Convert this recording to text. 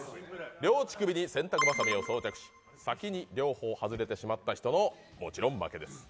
両乳首に洗濯バサミを装着し先に両方外れてしまった人のもちろん負けです。